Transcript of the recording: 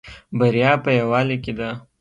بریا په یوالی کې ده